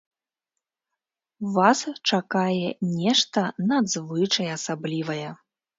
Вас чакае нешта надзвычай асаблівае!